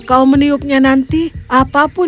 kau meniupnya nanti apapun